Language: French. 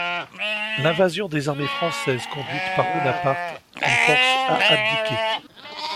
L'invasion des armées françaises conduites par Bonaparte le force à abdiquer.